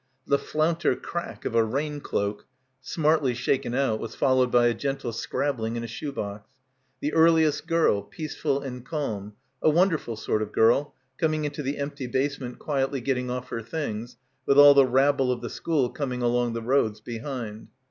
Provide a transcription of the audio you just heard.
The flounter crack of a raincloak smartly shaken out was fol lowed by a gentle scrabbling in a shoe box, — the earliest girl, peaceful and calm, a wonderful sort of girl, coming into the empty basement quietly getting off her things, with all the rabble of the school coming along the roads, behind.